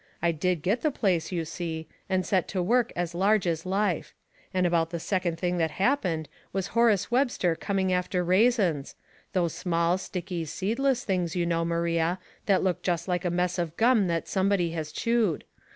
I did get the place, you see, and set to work as large as life ; and about the second thing that happened was Horace Webster coming after raisins — those small, sticky, seedless things, you know, Maria, that look just like a mess of gnm that somebody has chewed.